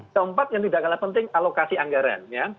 keempat yang tidak kalah penting alokasi anggaran ya